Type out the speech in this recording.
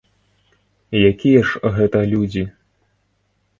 Якія ж гэта людзі?!